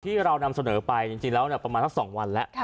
ที่เรานำเสนอไปจริงแล้วประมาณสัก๒วันแล้ว